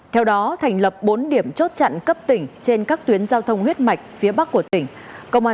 theo đó thành lập bốn điểm chốt chặn cấp tỉnh trên các tuyến giao thông huyết mạch phía bắc của tỉnh